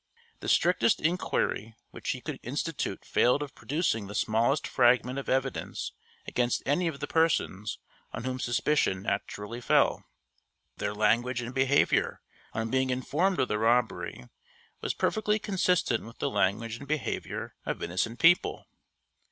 The strictest inquiry which he could institute failed of producing the smallest fragment of evidence against any of the persons on whom suspicion naturally fell. Their language and behavior on being informed of the robbery was perfectly consistent with the language and behavior of innocent people.